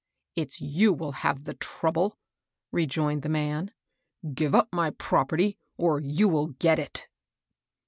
*' It's you will have the trouble," rejoined the man. " Give up my property, or you will get it."